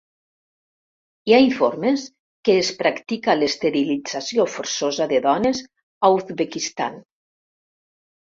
Hi ha informes que es practica l'esterilització forçosa de dones a Uzbekistan.